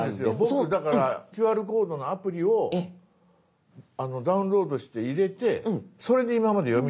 僕だからＱＲコードのアプリをダウンロードして入れてそれで今まで読み取ってたんですよ。